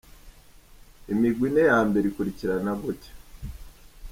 Imigwi ine ya mbere ikurikirana gutya: .